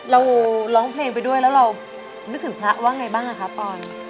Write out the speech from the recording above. ร้องเพลงไปด้วยแล้วเรานึกถึงพระว่าไงบ้างอะคะปอน